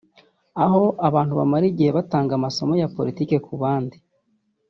aho abantu bamara igihe batanga amasomo ya Politiki ku bandi